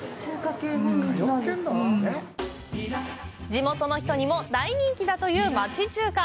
地元の人にも大人気だという町中華。